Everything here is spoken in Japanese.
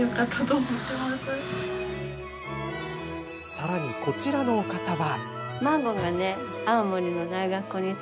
さらに、こちらのお方は。